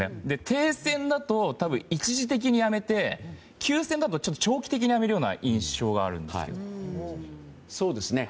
停戦だと一時的にやめて休戦だと長期的にやめるようなそうですね。